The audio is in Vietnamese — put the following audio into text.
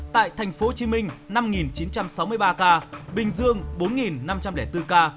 tại tp hcm năm chín trăm sáu mươi ba ca bình dương bốn năm trăm linh bốn ca